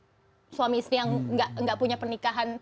mau itu suami istri yang nggak punya pernikahan